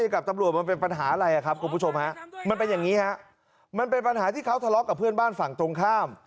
กับตำรวจมันเป็นปัญหาอะไรครับคุณผู้ชมฮะมันเป็นอย่างนี้ฮะมันเป็นปัญหาที่เขาทะเลาะกับเพื่อนบ้านฝั่งตรงข้าม